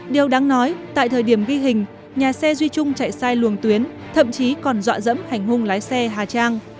điều đáng nói tại thời điểm ghi hình nhà xe duy trung chạy sai luồng tuyến thậm chí còn dọa dẫm hành hung lái xe hà trang